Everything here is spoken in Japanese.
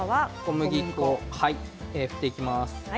小麦粉を振っていきます。